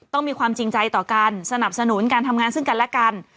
มีความจริงใจต่อกันสนับสนุนการทำงานซึ่งกันและกัน